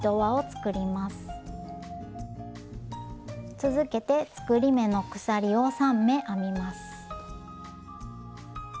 続けて作り目の鎖を３目編みます。